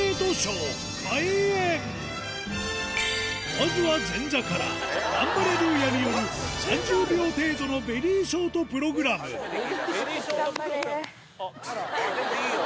まずは前座からガンバレルーヤによる３０秒程度のベリーショートプログラムあっでもいいよ！